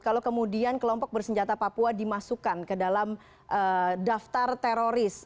kalau kemudian kelompok bersenjata papua dimasukkan ke dalam daftar teroris